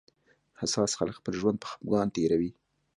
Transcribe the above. حساس خلک خپل ژوند په خپګان تېروي